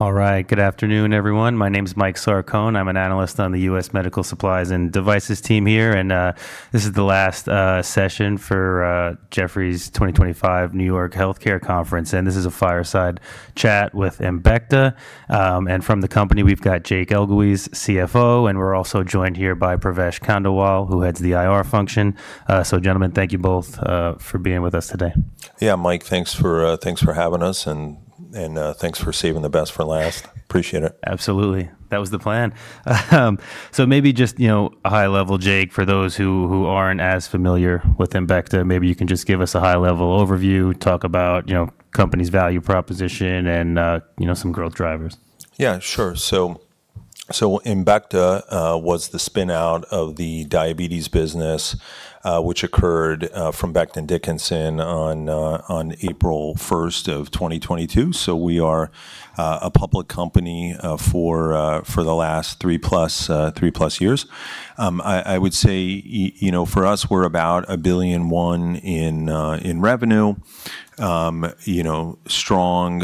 All right, good afternoon, everyone. My name is Mike Sarcone. I'm an analyst on the U.S. Medical Supplies and Devices team here, and this is the last session for Jefferies' 2025 New York Healthcare Conference. This is a fireside chat with Embecta. From the company, we've got Jake Elguicze, CFO, and we're also joined here by Pravesh Khandelwal, who heads the IR function. Gentlemen, thank you both for being with us today. Yeah, Mike, thanks for having us, and thanks for saving the best for last. Appreciate it. Absolutely. That was the plan. Maybe just, you know, a high level, Jake, for those who aren't as familiar with Embecta, maybe you can just give us a high-level overview, talk about, you know, the company's value proposition and, you know, some growth drivers. Yeah, sure. Embecta was the spinout of the diabetes business, which occurred from Becton Dickinson on April 1st of 2022. We are a public company for the last three-plus years. I would say, you know, for us, we're about $1.01 billion in revenue, you know, strong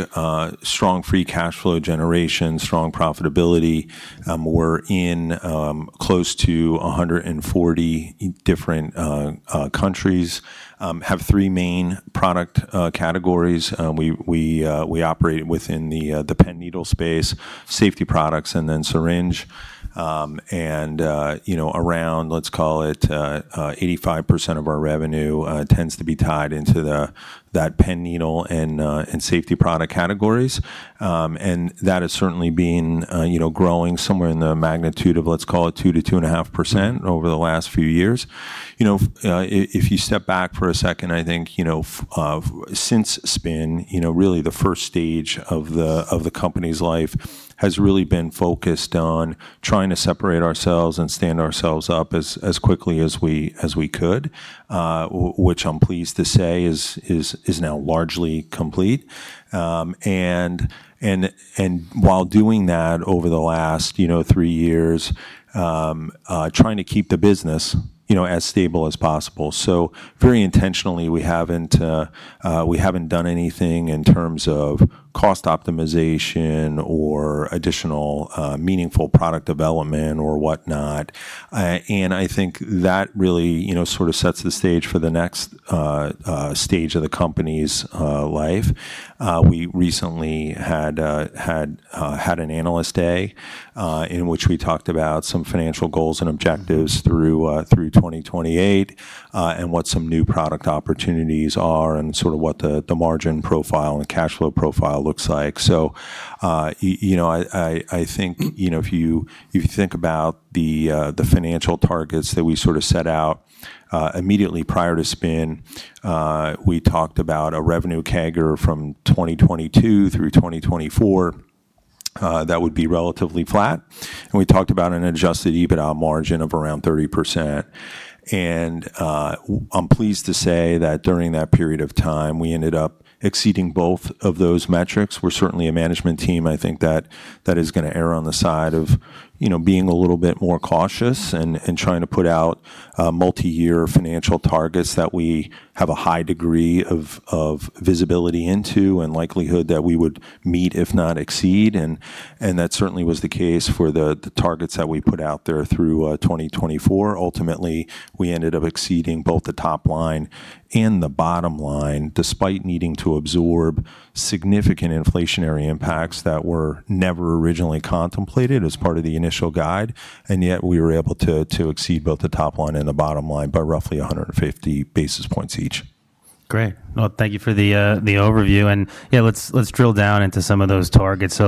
free cash flow generation, strong profitability. We're in close to 140 different countries, have three main product categories. We operate within the pen needle space, safety products, and then syringe. You know, around, let's call it 85% of our revenue tends to be tied into that pen needle and safety product categories. That has certainly been, you know, growing somewhere in the magnitude of, let's call it 2%-2.5% over the last few years. You know, if you step back for a second, I think, you know, since SPIN, you know, really the first stage of the company's life has really been focused on trying to separate ourselves and stand ourselves up as quickly as we could, which I'm pleased to say is now largely complete. While doing that over the last, you know, three years, trying to keep the business, you know, as stable as possible. Very intentionally, we haven't done anything in terms of cost optimization or additional meaningful product development or whatnot. I think that really, you know, sort of sets the stage for the next stage of the company's life. We recently had an analyst day in which we talked about some financial goals and objectives through 2028 and what some new product opportunities are and sort of what the margin profile and cash flow profile looks like. You know, I think, you know, if you think about the financial targets that we sort of set out immediately prior to SPIN, we talked about a revenue CAGR from 2022 through 2024 that would be relatively flat. We talked about an adjusted EBITDA margin of around 30%. I'm pleased to say that during that period of time, we ended up exceeding both of those metrics. We're certainly a management team, I think, that is going to err on the side of, you know, being a little bit more cautious and trying to put out multi-year financial targets that we have a high degree of visibility into and likelihood that we would meet, if not exceed. That certainly was the case for the targets that we put out there through 2024. Ultimately, we ended up exceeding both the top line and the bottom line despite needing to absorb significant inflationary impacts that were never originally contemplated as part of the initial guide. Yet we were able to exceed both the top line and the bottom line by roughly 150 basis points each. Great. Thank you for the overview. Yeah, let's drill down into some of those targets.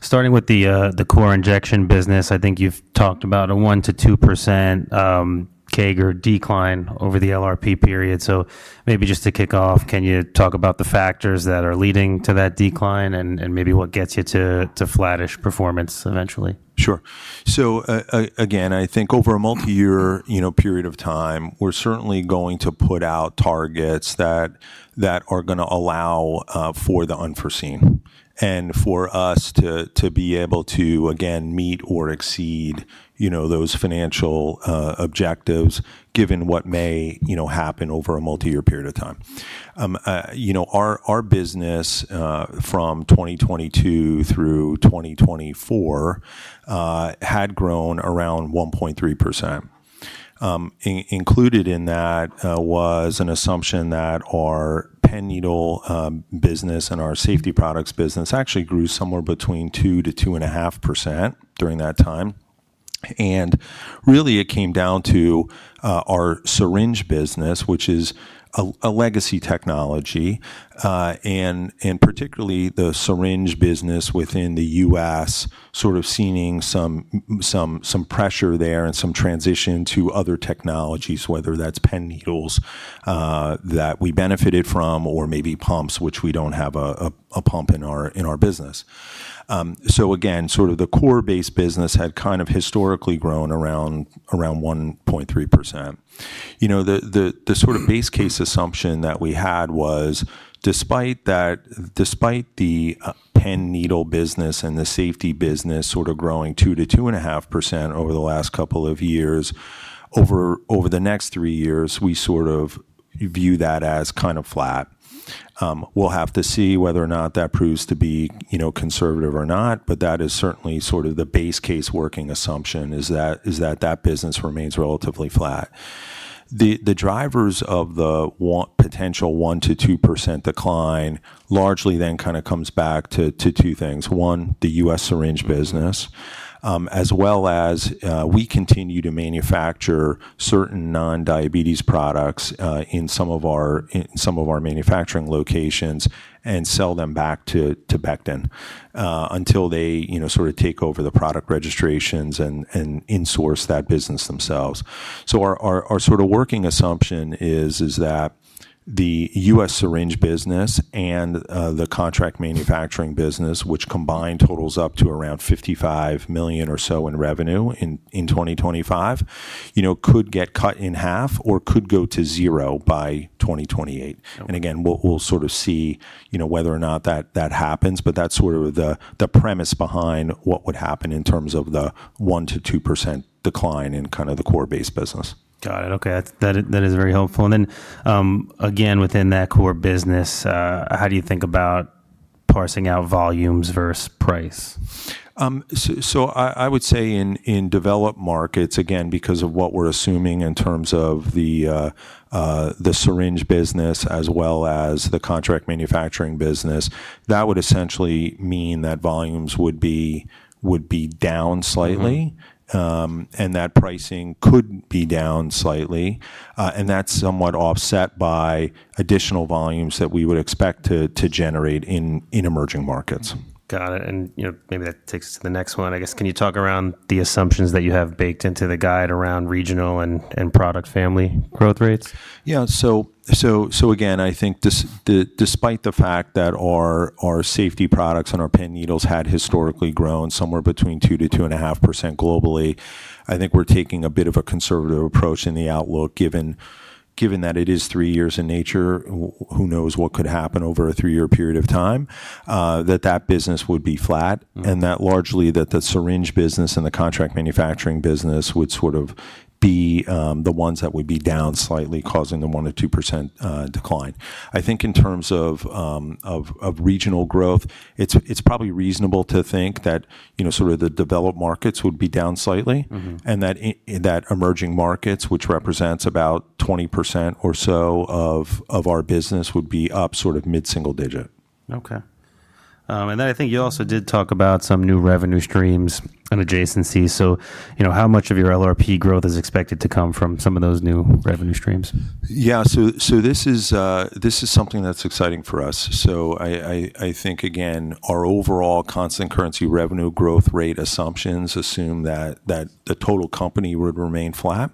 Starting with the core injection business, I think you've talked about a 1%-2% CAGR decline over the LRP period. Maybe just to kick off, can you talk about the factors that are leading to that decline and maybe what gets you to flattish performance eventually? Sure. So again, I think over a multi-year period of time, we're certainly going to put out targets that are going to allow for the unforeseen and for us to be able to, again, meet or exceed, you know, those financial objectives given what may, you know, happen over a multi-year period of time. You know, our business from 2022 through 2024 had grown around 1.3%. Included in that was an assumption that our pen needle business and our safety products business actually grew somewhere between 2%-2.5% during that time. And really it came down to our syringe business, which is a legacy technology, and particularly the syringe business within the U.S. sort of seeing some pressure there and some transition to other technologies, whether that's pen needles that we benefited from or maybe pumps, which we don't have a pump in our business. Again, sort of the core-based business had kind of historically grown around 1.3%. You know, the sort of base case assumption that we had was despite the pen needle business and the safety business sort of growing 2%-2.5% over the last couple of years, over the next three years, we sort of view that as kind of flat. We'll have to see whether or not that proves to be, you know, conservative or not, but that is certainly sort of the base case working assumption is that that business remains relatively flat. The drivers of the potential 1%-2% decline largely then kind of comes back to two things. One, the U.S. Syringe business, as well as we continue to manufacture certain non-diabetes products in some of our manufacturing locations and sell them back to Becton until they, you know, sort of take over the product registrations and insource that business themselves. Our sort of working assumption is that the U.S. syringe business and the contract manufacturing business, which combined totals up to around $55 million or so in revenue in 2025, you know, could get cut in half or could go to zero by 2028. Again, we'll sort of see, you know, whether or not that happens, but that's sort of the premise behind what would happen in terms of the 1%-2% decline in kind of the core-based business. Got it. Okay. That is very helpful. Then again, within that core business, how do you think about parsing out volumes versus price? I would say in developed markets, again, because of what we're assuming in terms of the syringe business as well as the contract manufacturing business, that would essentially mean that volumes would be down slightly and that pricing could be down slightly. That's somewhat offset by additional volumes that we would expect to generate in emerging markets. Got it. You know, maybe that takes us to the next one. I guess, can you talk around the assumptions that you have baked into the guide around regional and product family growth rates? Yeah. So again, I think despite the fact that our safety products and our pen needles had historically grown somewhere between 2%-2.5% globally, I think we're taking a bit of a conservative approach in the outlook given that it is three years in nature. Who knows what could happen over a three-year period of time that that business would be flat and that largely that the syringe business and the contract manufacturing business would sort of be the ones that would be down slightly, causing the 1%-2% decline. I think in terms of regional growth, it's probably reasonable to think that, you know, sort of the developed markets would be down slightly and that emerging markets, which represents about 20% or so of our business, would be up sort of mid-single digit. Okay. And then I think you also did talk about some new revenue streams and adjacencies. You know, how much of your LRP growth is expected to come from some of those new revenue streams? Yeah. So this is something that's exciting for us. I think, again, our overall constant currency revenue growth rate assumptions assume that the total company would remain flat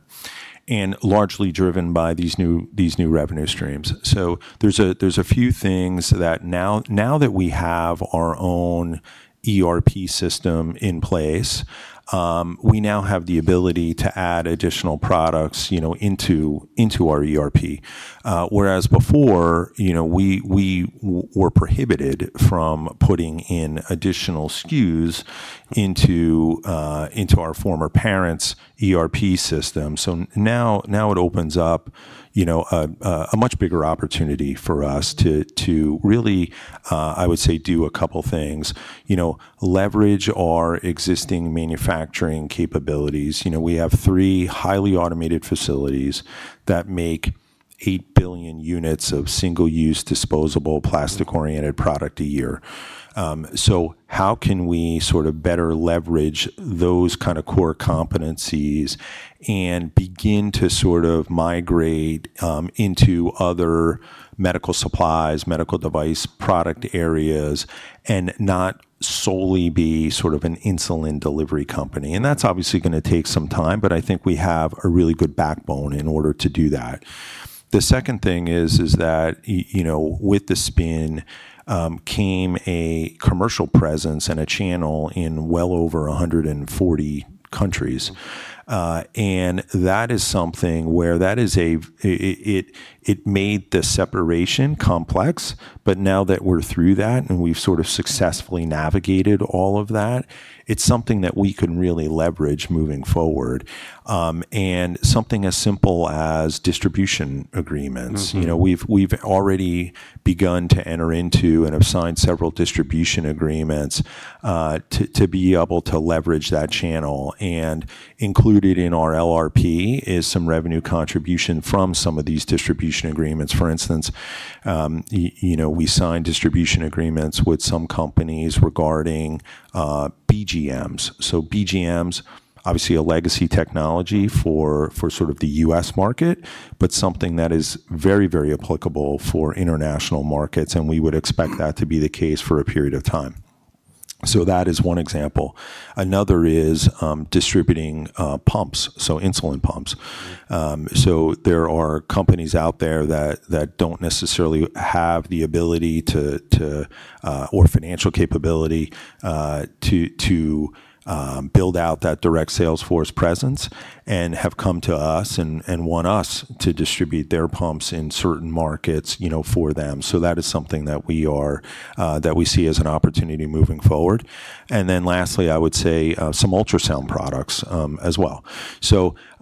and largely driven by these new revenue streams. There's a few things that now that we have our own ERP system in place, we now have the ability to add additional products, you know, into our ERP. Whereas before, you know, we were prohibited from putting in additional SKUs into our former parent's ERP system. Now it opens up, you know, a much bigger opportunity for us to really, I would say, do a couple of things. You know, leverage our existing manufacturing capabilities. We have three highly automated facilities that make $8 billion units of single-use disposable plastic-oriented product a year. How can we sort of better leverage those kind of core competencies and begin to sort of migrate into other medical supplies, medical device product areas, and not solely be sort of an insulin delivery company? That is obviously going to take some time, but I think we have a really good backbone in order to do that. The second thing is that, you know, with the SPIN came a commercial presence and a channel in well over 140 countries. That is something where it made the separation complex, but now that we are through that and we have sort of successfully navigated all of that, it is something that we can really leverage moving forward. Something as simple as distribution agreements. You know, we have already begun to enter into and have signed several distribution agreements to be able to leverage that channel. Included in our LRP is some revenue contribution from some of these distribution agreements. For instance, you know, we signed distribution agreements with some companies regarding BGMs. BGMs, obviously a legacy technology for sort of the U.S. market, but something that is very, very applicable for international markets. We would expect that to be the case for a period of time. That is one example. Another is distributing pumps, so insulin pumps. There are companies out there that do not necessarily have the ability to, or financial capability to build out that direct sales force presence and have come to us and want us to distribute their pumps in certain markets, you know, for them. That is something that we see as an opportunity moving forward. Lastly, I would say some ultrasound products as well.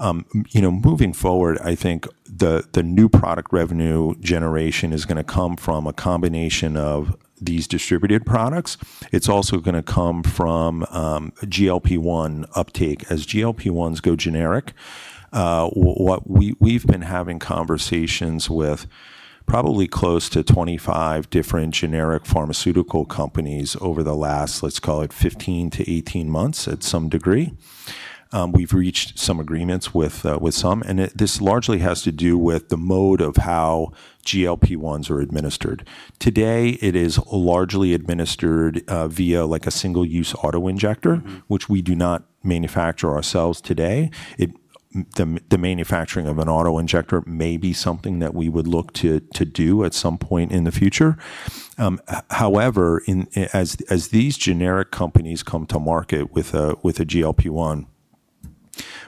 You know, moving forward, I think the new product revenue generation is going to come from a combination of these distributed products. It's also going to come from GLP-1 uptake. As GLP-1s go generic, we've been having conversations with probably close to 25 different generic pharmaceutical companies over the last, let's call it 15 to 18 months at some degree. We've reached some agreements with some. This largely has to do with the mode of how GLP-1s are administered. Today, it is largely administered via like a single-use auto injector, which we do not manufacture ourselves today. The manufacturing of an auto injector may be something that we would look to do at some point in the future. However, as these generic companies come to market with a GLP-1,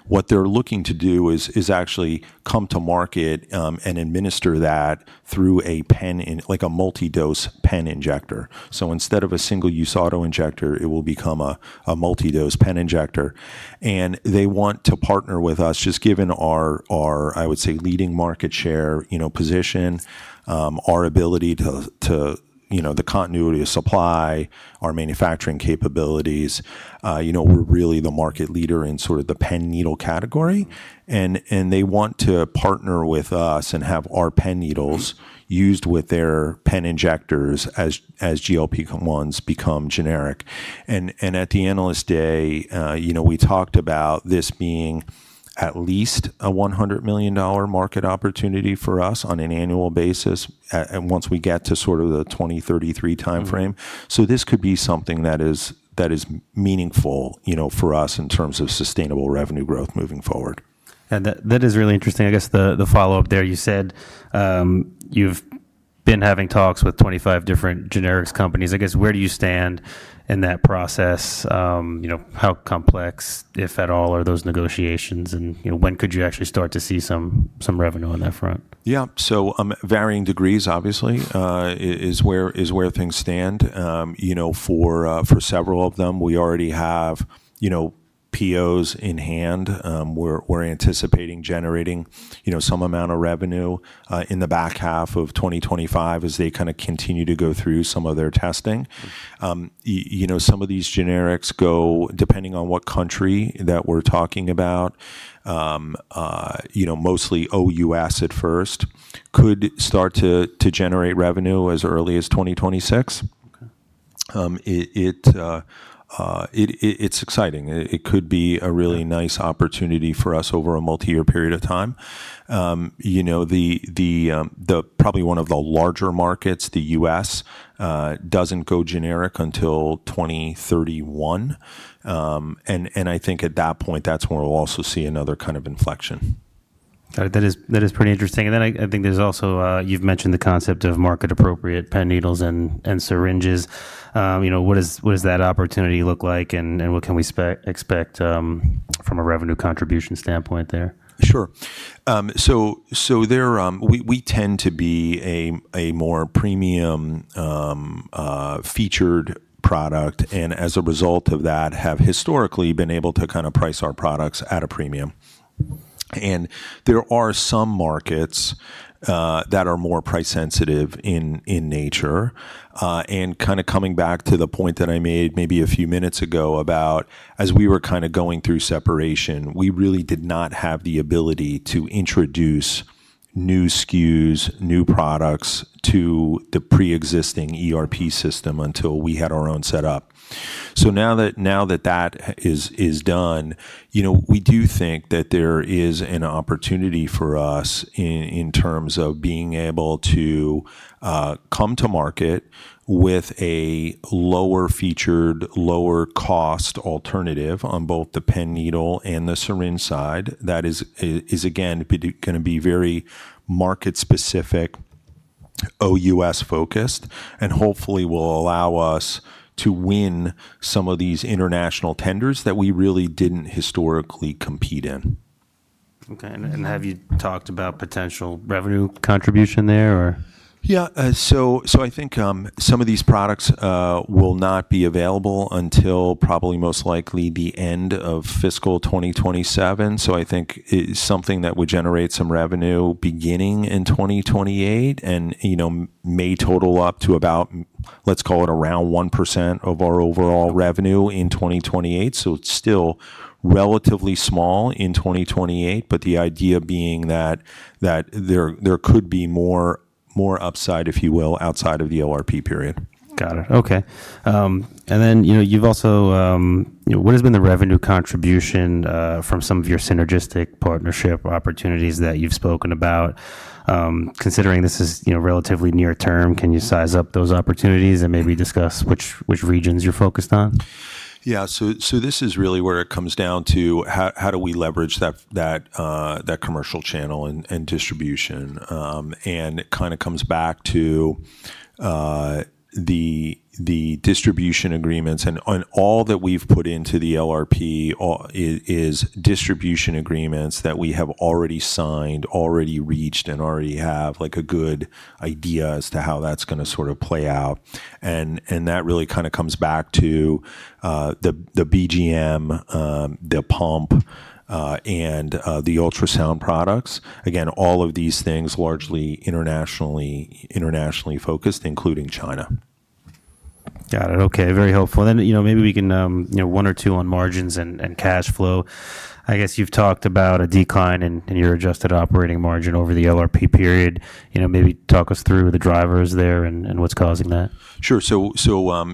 what they're looking to do is actually come to market and administer that through a pen, like a multi-dose pen injector. Instead of a single-use auto injector, it will become a multi-dose pen injector. They want to partner with us just given our, I would say, leading market share, you know, position, our ability to, you know, the continuity of supply, our manufacturing capabilities. You know, we're really the market leader in sort of the pen needle category. They want to partner with us and have our pen needles used with their pen injectors as GLP-1s become generic. At the analyst day, you know, we talked about this being at least a $100 million market opportunity for us on an annual basis once we get to sort of the 2033 timeframe. This could be something that is meaningful, you know, for us in terms of sustainable revenue growth moving forward. That is really interesting. I guess the follow-up there, you said you've been having talks with 25 different generics companies. I guess where do you stand in that process? You know, how complex, if at all, are those negotiations? You know, when could you actually start to see some revenue on that front? Yeah. So varying degrees, obviously, is where things stand. You know, for several of them, we already have, you know, POs in hand. We're anticipating generating, you know, some amount of revenue in the back half of 2025 as they kind of continue to go through some of their testing. You know, some of these generics go, depending on what country that we're talking about, you know, mostly OUS at first, could start to generate revenue as early as 2026. It's exciting. It could be a really nice opportunity for us over a multi-year period of time. You know, probably one of the larger markets, the U.S., doesn't go generic until 2031. And I think at that point, that's where we'll also see another kind of inflection. That is pretty interesting. I think there's also, you've mentioned the concept of market-appropriate pen needles and syringes. You know, what does that opportunity look like and what can we expect from a revenue contribution standpoint there? Sure. There, we tend to be a more premium featured product and as a result of that, have historically been able to kind of price our products at a premium. There are some markets that are more price-sensitive in nature. Kind of coming back to the point that I made maybe a few minutes ago about, as we were kind of going through separation, we really did not have the ability to introduce new SKUs, new products to the pre-existing ERP system until we had our own setup. Now that that is done, you know, we do think that there is an opportunity for us in terms of being able to come to market with a lower featured, lower cost alternative on both the pen needle and the syringe side that is, again, going to be very market-specific, OUS-focused, and hopefully will allow us to win some of these international tenders that we really did not historically compete in. Okay. Have you talked about potential revenue contribution there or? Yeah. So I think some of these products will not be available until probably most likely the end of fiscal 2027. I think it is something that would generate some revenue beginning in 2028 and, you know, may total up to about, let's call it around 1% of our overall revenue in 2028. It is still relatively small in 2028, but the idea being that there could be more upside, if you will, outside of the LRP period. Got it. Okay. And then, you know, you've also, you know, what has been the revenue contribution from some of your synergistic partnership opportunities that you've spoken about? Considering this is, you know, relatively near term, can you size up those opportunities and maybe discuss which regions you're focused on? Yeah. This is really where it comes down to how do we leverage that commercial channel and distribution. It kind of comes back to the distribution agreements. All that we've put into the LRP is distribution agreements that we have already signed, already reached, and already have a good idea as to how that's going to sort of play out. That really kind of comes back to the BGM, the pump, and the ultrasound products. Again, all of these things largely internationally focused, including China. Got it. Okay. Very helpful. Then, you know, maybe we can, you know, one or two on margins and cash flow. I guess you've talked about a decline in your adjusted operating margin over the LRP period. You know, maybe talk us through the drivers there and what's causing that. Sure. So,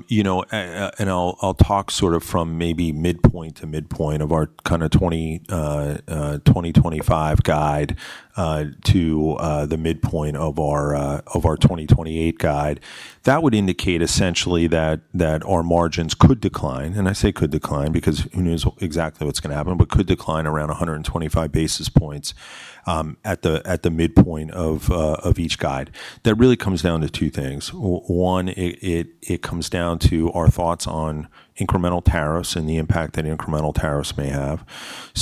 you know, and I'll talk sort of from maybe midpoint to midpoint of our kind of 2025 guide to the midpoint of our 2028 guide. That would indicate essentially that our margins could decline. I say could decline because who knows exactly what's going to happen, but could decline around 125 basis points at the midpoint of each guide. That really comes down to two things. One, it comes down to our thoughts on incremental tariffs and the impact that incremental tariffs may have.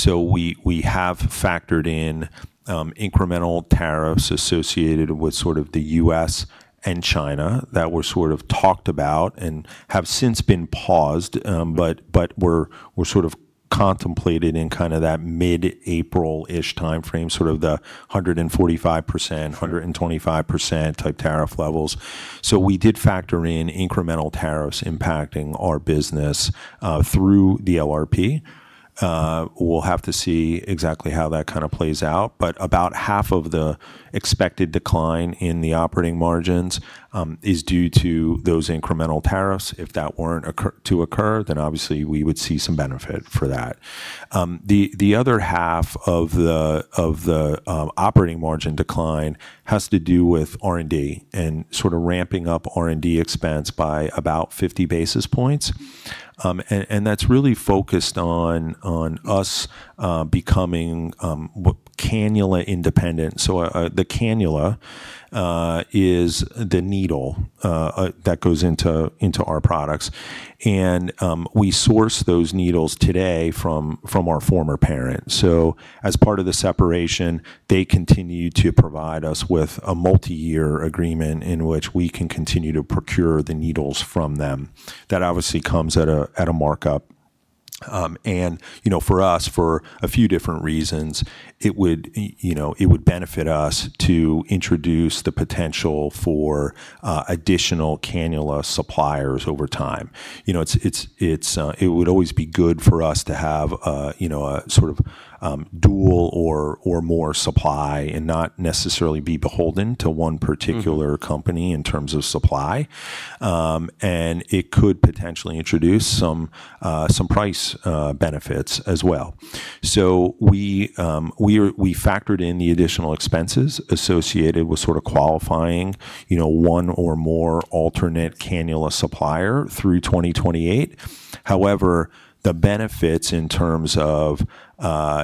We have factored in incremental tariffs associated with sort of the U.S. and China that were sort of talked about and have since been paused, but were sort of contemplated in kind of that mid-April-ish timeframe, sort of the 145%, 125% type tariff levels. We did factor in incremental tariffs impacting our business through the LRP. We'll have to see exactly how that kind of plays out. About half of the expected decline in the operating margins is due to those incremental tariffs. If that weren't to occur, then obviously we would see some benefit for that. The other half of the operating margin decline has to do with R&D and sort of ramping up R&D expense by about 50 basis points. That's really focused on us becoming cannula independent. The cannula is the needle that goes into our products. We source those needles today from our former parent. As part of the separation, they continue to provide us with a multi-year agreement in which we can continue to procure the needles from them. That obviously comes at a markup. You know, for us, for a few different reasons, it would, you know, it would benefit us to introduce the potential for additional cannula suppliers over time. You know, it would always be good for us to have, you know, a sort of dual or more supply and not necessarily be beholden to one particular company in terms of supply. It could potentially introduce some price benefits as well. We factored in the additional expenses associated with sort of qualifying, you know, one or more alternate cannula supplier through 2028. However, the benefits in terms of,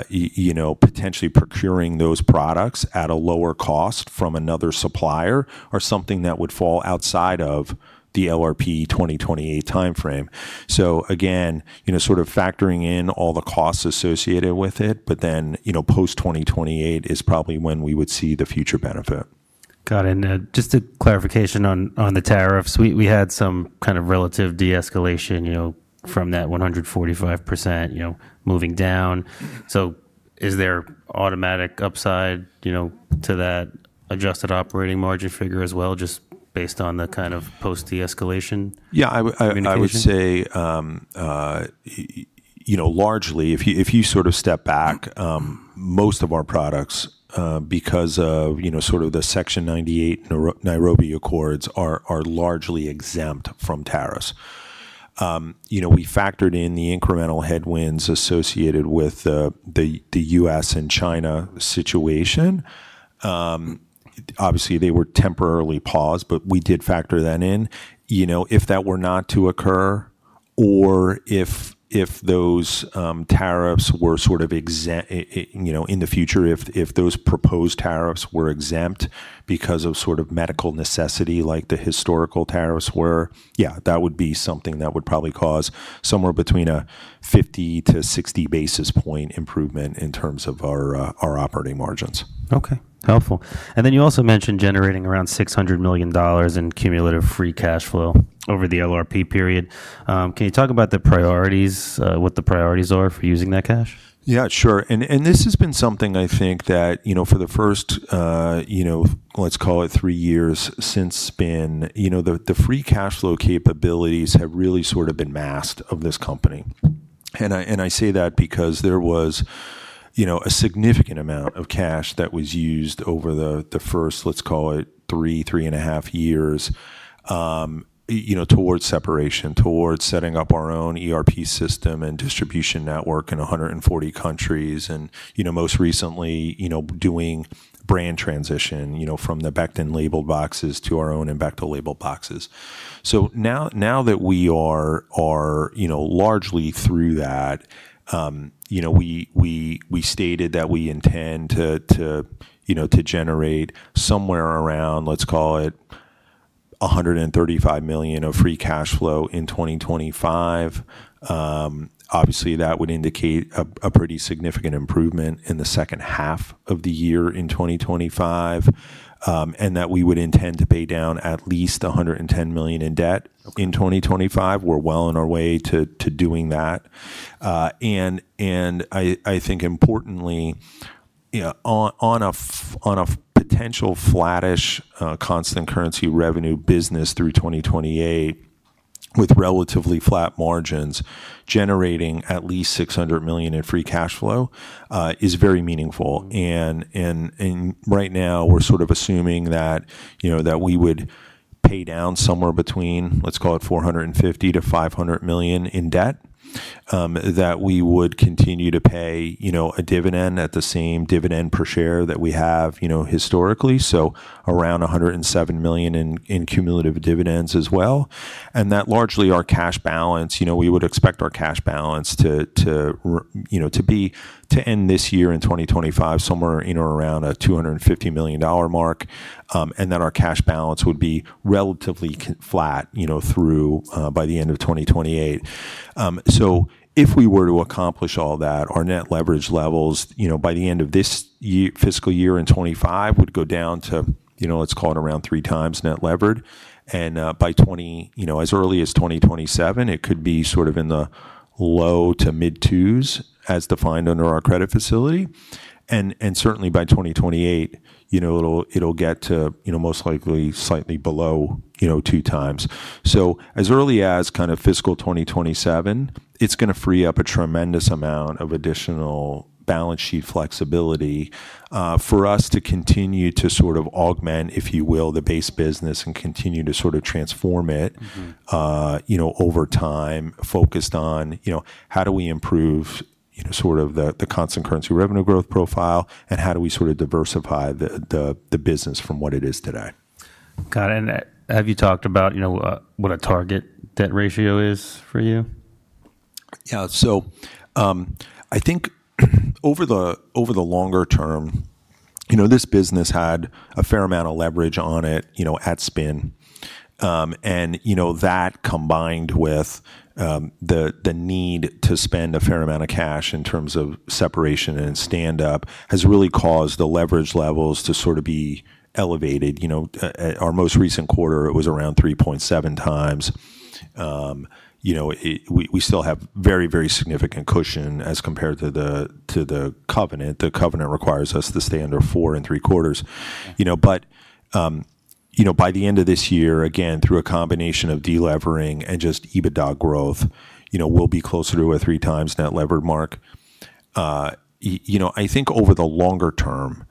you know, potentially procuring those products at a lower cost from another supplier are something that would fall outside of the LRP 2028 timeframe. Again, you know, sort of factoring in all the costs associated with it, but then, you know, post 2028 is probably when we would see the future benefit. Got it. And just a clarification on the tariffs. We had some kind of relative de-escalation, you know, from that 145%, you know, moving down. So is there automatic upside, you know, to that adjusted operating margin figure as well, just based on the kind of post-de-escalation? Yeah. I would say, you know, largely, if you sort of step back, most of our products because of, you know, sort of the Section 98 Nairobi Accords are largely exempt from tariffs. You know, we factored in the incremental headwinds associated with the U.S. and China situation. Obviously, they were temporarily paused, but we did factor that in. You know, if that were not to occur or if those tariffs were sort of, you know, in the future, if those proposed tariffs were exempt because of sort of medical necessity, like the historical tariffs were, yeah, that would be something that would probably cause somewhere between a 50-60 basis point improvement in terms of our operating margins. Okay. Helpful. You also mentioned generating around $600 million in cumulative free cash flow over the LRP period. Can you talk about the priorities, what the priorities are for using that cash? Yeah, sure. This has been something I think that, you know, for the first, you know, let's call it three years since SPIN, you know, the free cash flow capabilities have really sort of been masked of this company. I say that because there was, you know, a significant amount of cash that was used over the first, let's call it three, three and a half years, you know, towards separation, towards setting up our own ERP system and distribution network in 140 countries. You know, most recently, you know, doing brand transition, you know, from the Becton labeled boxes to our own Embecta labeled boxes. Now that we are, you know, largely through that, you know, we stated that we intend to, you know, to generate somewhere around, let's call it $135 million of free cash flow in 2025. Obviously, that would indicate a pretty significant improvement in the second half of the year in 2025 and that we would intend to pay down at least $110 million in debt in 2025. We're well on our way to doing that. I think importantly, you know, on a potential flattish constant currency revenue business through 2028 with relatively flat margins, generating at least $600 million in free cash flow is very meaningful. Right now, we're sort of assuming that, you know, that we would pay down somewhere between, let's call it $450-$500 million in debt, that we would continue to pay, you know, a dividend at the same dividend per share that we have, you know, historically. So around $107 million in cumulative dividends as well. That largely our cash balance, you know, we would expect our cash balance to, you know, to be to end this year in 2025 somewhere, you know, around a $250 million mark. Our cash balance would be relatively flat, you know, through by the end of 2028. If we were to accomplish all that, our net leverage levels, you know, by the end of this fiscal year in 2025 would go down to, you know, let's call it around three times net levered. By 2027, it could be sort of in the low to mid-twos as defined under our credit facility. Certainly by 2028, you know, it'll get to, you know, most likely slightly below, you know, two times. As early as kind of fiscal 2027, it's going to free up a tremendous amount of additional balance sheet flexibility for us to continue to sort of augment, if you will, the base business and continue to sort of transform it, you know, over time focused on, you know, how do we improve, you know, sort of the constant currency revenue growth profile and how do we sort of diversify the business from what it is today. Got it. And have you talked about, you know, what a target debt ratio is for you? Yeah. So I think over the longer term, you know, this business had a fair amount of leverage on it, you know, at SPIN. And, you know, that combined with the need to spend a fair amount of cash in terms of separation and stand-up has really caused the leverage levels to sort of be elevated. You know, our most recent quarter, it was around 3.7 times. You know, we still have very, very significant cushion as compared to the covenant. The covenant requires us to stay under four and three quarters. You know, by the end of this year, again, through a combination of delevering and just EBITDA growth, you know, we'll be closer to a three times net leverage mark. You know, I think over the longer term,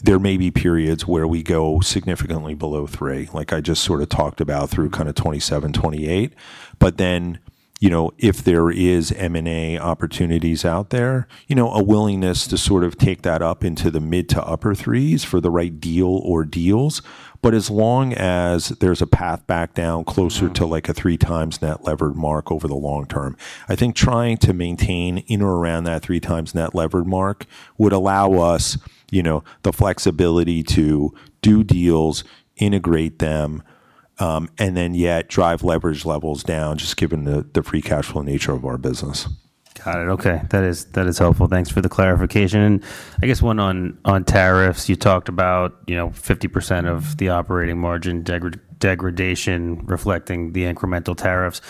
there may be periods where we go significantly below three, like I just sort of talked about through kind of 2027, 2028. You know, if there is M&A opportunities out there, you know, a willingness to sort of take that up into the mid to upper threes for the right deal or deals. As long as there's a path back down closer to like a three times net leverage mark over the long term, I think trying to maintain in or around that three times net leverage mark would allow us, you know, the flexibility to do deals, integrate them, and then yet drive leverage levels down just given the free cash flow nature of our business. Got it. Okay. That is helpful. Thanks for the clarification. I guess one on tariffs, you talked about, you know, 50% of the operating margin degradation reflecting the incremental tariffs.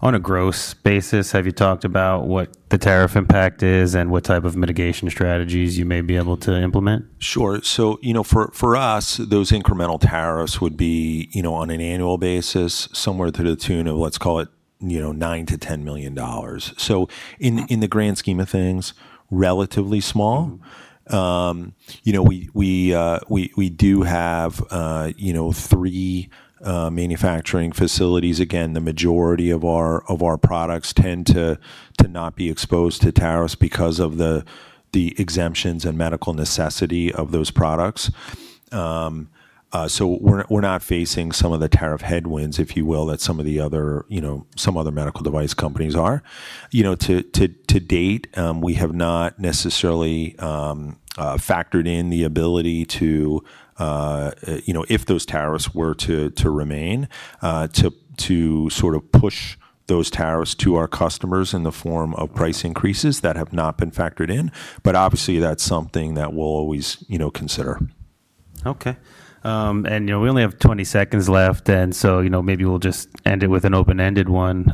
On a gross basis, have you talked about what the tariff impact is and what type of mitigation strategies you may be able to implement? Sure. So, you know, for us, those incremental tariffs would be, you know, on an annual basis somewhere to the tune of, let's call it, you know, $9 million-$10 million. In the grand scheme of things, relatively small. You know, we do have, you know, three manufacturing facilities. Again, the majority of our products tend to not be exposed to tariffs because of the exemptions and medical necessity of those products. We are not facing some of the tariff headwinds, if you will, that some other medical device companies are. You know, to date, we have not necessarily factored in the ability to, you know, if those tariffs were to remain, to sort of push those tariffs to our customers in the form of price increases that have not been factored in. Obviously, that's something that we'll always, you know, consider. Okay. You know, we only have 20 seconds left. You know, maybe we'll just end it with an open-ended one.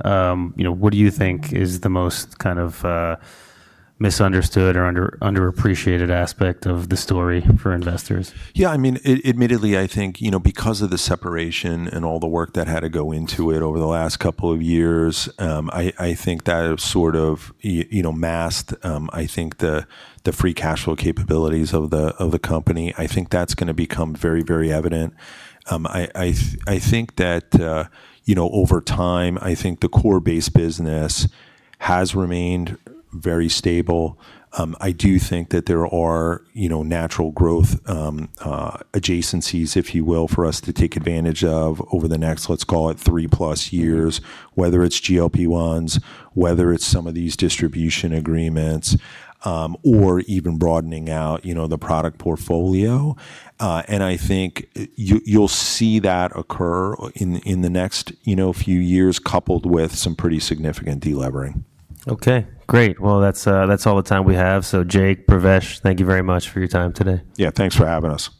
You know, what do you think is the most kind of misunderstood or underappreciated aspect of the story for investors? Yeah. I mean, admittedly, I think, you know, because of the separation and all the work that had to go into it over the last couple of years, I think that sort of, you know, masked, I think, the free cash flow capabilities of the company. I think that's going to become very, very evident. I think that, you know, over time, I think the core base business has remained very stable. I do think that there are, you know, natural growth adjacencies, if you will, for us to take advantage of over the next, let's call it three plus years, whether it's GLP-1s, whether it's some of these distribution agreements, or even broadening out, you know, the product portfolio. I think you'll see that occur in the next, you know, few years coupled with some pretty significant delevering. Okay. Great. That's all the time we have. Jake, Pravesh, thank you very much for your time today. Yeah. Thanks for having us.